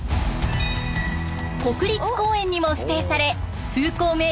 国立公園にも指定され風光明